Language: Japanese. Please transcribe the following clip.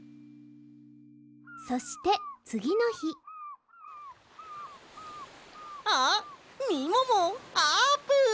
そしてつぎのひあっみももあーぷん！